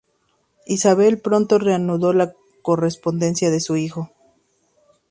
Isabel pronto reanudó la correspondencia con su hijo.